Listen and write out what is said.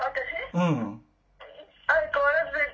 うん。